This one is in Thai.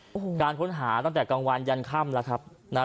โอ้โหการค้นหาตั้งแต่กลางวันยันค่ำแล้วครับนะฮะ